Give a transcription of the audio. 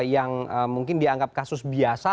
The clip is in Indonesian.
yang mungkin dianggap kasus biasa